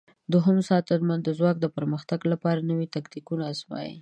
دوهم ساتنمن د ځواک د پرمختګ لپاره نوي تاکتیکونه آزمايي.